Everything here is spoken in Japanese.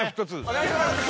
お願いします